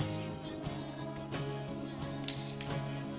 semangat mof yu